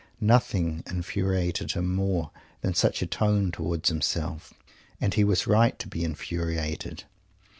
Nothing infuriated him more than such a tone towards himself. And he was right to be infuriated.